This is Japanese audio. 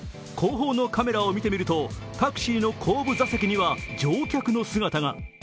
後方のカメラを見てみるとタクシーの後部座席には乗客の姿が。